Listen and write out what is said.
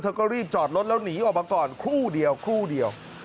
ก็รีบจอดรถแล้วหนีออกมาก่อนครู่เดียวครู่เดียว